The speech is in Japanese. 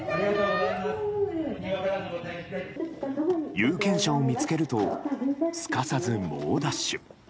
有権者を見つけるとすかさず猛ダッシュ。